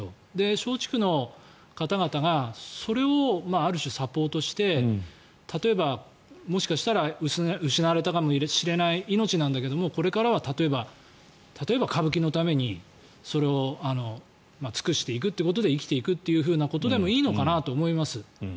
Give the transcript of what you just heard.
松竹の方々がそれをある種サポートして例えばもしかしたら失われたかもしれない命なんだけどこれからは例えば歌舞伎のために尽くしていくということで生きていくということでもいいのかなと思います。